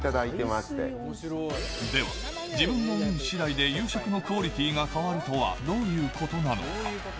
では、自分の運しだいで夕食のクオリティーが変わるとはどういうことなのか。